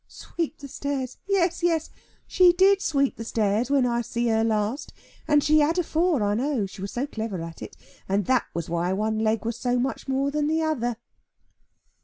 Sweep the stairs yes, yes, she did sweep the stairs when I see her last; and she had afore, I know; she was so clever at it; and that was why one leg was so much more than the other."